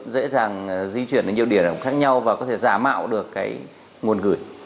dễ dàng di chuyển đến nhiều điểm khác nhau và có thể giả mạo được cái nguồn gửi